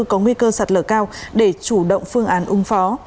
có nguy cơ sạt lở cao để chủ động phương án ung phó